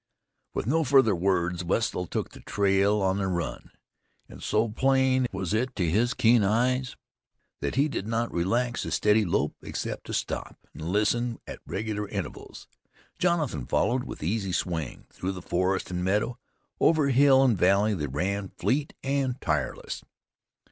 With no further words Wetzel took the trail on the run, and so plain was it to his keen eyes that he did not relax his steady lope except to stop and listen at regular intervals. Jonathan followed with easy swing. Through forest and meadow, over hill and valley, they ran, fleet and tireless.